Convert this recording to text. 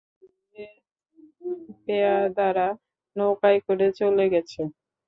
জাহাজের পেয়াদারা নৌকায় করে চলে গেছে।